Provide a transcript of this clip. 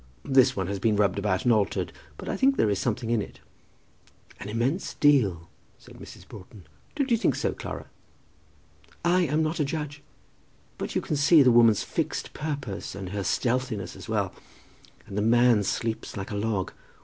This one has been rubbed about and altered, but I think there is something in it." "An immense deal," said Mrs. Broughton. "Don't you think so, Clara?" "I am not a judge." "But you can see the woman's fixed purpose; and her stealthiness as well; and the man sleeps like a log.